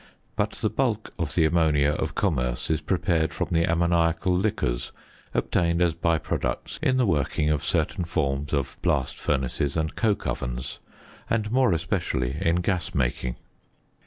But the bulk of the ammonia of commerce is prepared from the ammoniacal liquors obtained as bye products in the working of certain forms of blast furnaces and coke ovens, and more especially in gas making.